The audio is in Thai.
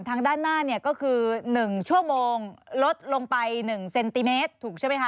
ทางด้านหน้าเนี่ยก็คือ๑ชั่วโมงลดลงไป๑เซนติเมตรถูกใช่ไหมคะ